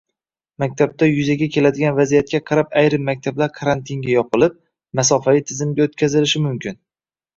Maktabda yuzaga keladigan vaziyatga qarab ayrim maktablar karantinga yopilib, masofaviy tizimga o‘tkazilishi mumkin